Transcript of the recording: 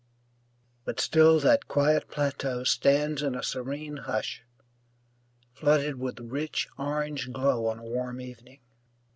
But still that quiet plateau stands in a serene hush, flooded with rich orange glow on a warm evening.